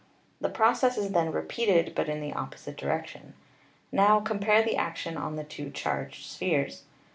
The process is then repeated, but in the opposite direction. Now com pare the action on the two charged spheres.